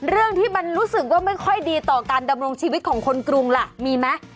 เรื่องที่มันรู้สึกว่าไม่ค่อยดีต่อการดำรงชีวิตของคนกรุงล่ะมีไหม